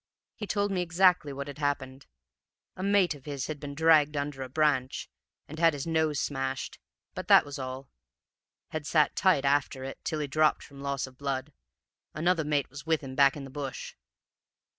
He told me exactly what had happened. A mate of his had been dragged under a branch, and had his nose smashed, but that was all; had sat tight after it till he dropped from loss of blood; another mate was with him back in the bush.